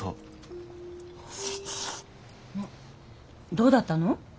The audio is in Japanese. どうだったの？